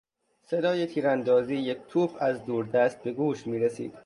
صدای تیراندازی یک توپ از دوردست به گوش میرسید.